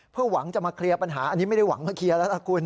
เพื่อหวังจะมาเคลียร์ปัญหาอันนี้ไม่ได้หวังมาเคลียร์แล้วนะคุณ